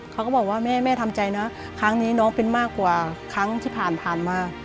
เขาก็บอกว่าแม่ทำใจนะครั้งนี้น้องเป็นมากกว่าครั้งที่ผ่านมา